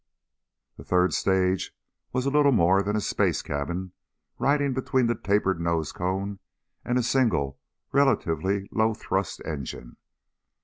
The third stage was little more than a space cabin riding between the tapered nose cone and a single relatively low thrust engine.